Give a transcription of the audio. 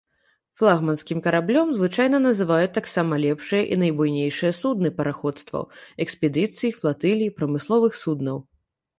Флагманскім караблём звычайна называюць таксама лепшыя і найбуйнейшыя судны параходстваў, экспедыцый, флатылій прамысловых суднаў.